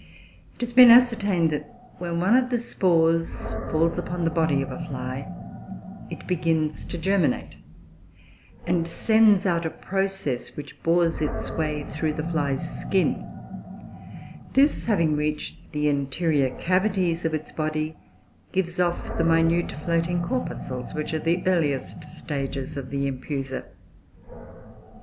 It has been ascertained, that when one of the spores falls upon the body of a fly, it begins to germinate, and sends out a process which bores its way through the fly's skin; this, having reached the interior cavities of its body, gives off the minute floating corpuscles which are the earliest stage of the Empusa.